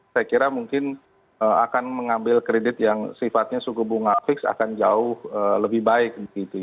saya kira mungkin akan mengambil kredit yang sifatnya suku bunga fix akan jauh lebih baik